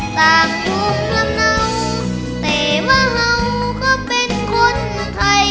ต่างยุคลำเนาแต่ว่าเห่าก็เป็นคนไทย